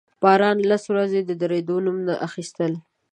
باران لس ورځې د درېدو نوم نه اخيستل.